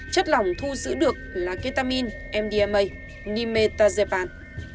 chất lỏng thu giữ được là ketamin mdma nimetazepam